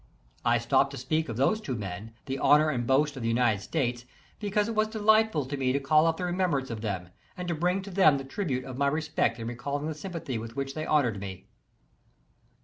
I stopi^ed to speak of those two men, the honor and boast of the United States, because it was delightful to me to call up the remembrance of them, and to bring to them the tribute of my respect in recalling the sympathy with which thev honored me.